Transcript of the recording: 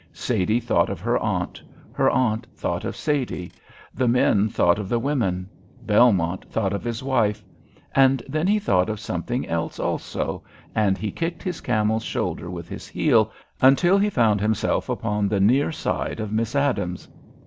Sadie thought of her aunt, her aunt thought of Sadie, the men thought of the women, Belmont thought of his wife, and then he thought of something else also, and he kicked his camel's shoulder with his heel until he found himself upon the near side of Miss Adams.